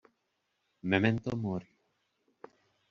Memento mori.